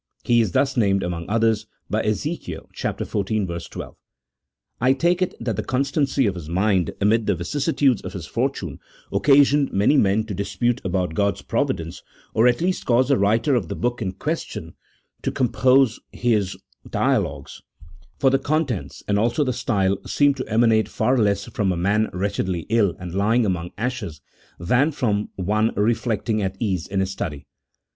(He is thus named, among others, by Ezekiel, xiv. 12.) I take it that the constancy of his mind amid the vicissitudes of his fortune occasioned many men to dispute about God's providence, or at least caused the writer of the book in question to compose his dialogues ; for the contents, and also the style, seem to emanate far less from a man wretchedly ill and lying among ashes, than from one reflecting at ease in his study.